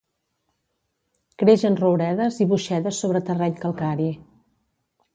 Creix en rouredes i boixedes sobre terreny calcari.